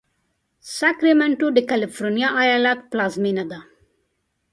ساکرمنټو د کالفرنیا ایالت پلازمېنه ده.